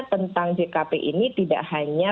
tentang jkp ini tidak hanya